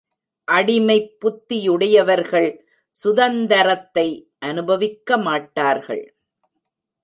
அடிமைப் புத்தியுடையவர்கள் சுதந்தரத்தை அனுபவிக்கமாட்டார்கள்.